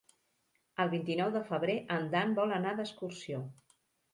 El vint-i-nou de febrer en Dan vol anar d'excursió.